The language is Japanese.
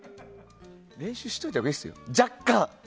練習しておいたほうがいいですよ若干。